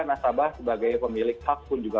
nasabah sebagai pemilik hak pun juga